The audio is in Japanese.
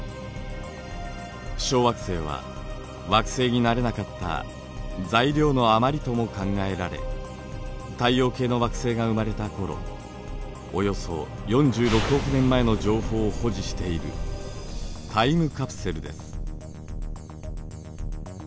小惑星は惑星になれなかった材料の余りとも考えられ太陽系の惑星が生まれた頃およそ４６億年前の情報を保持しているタイムカプセルです。